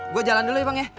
gue jalan dulu ya bang ya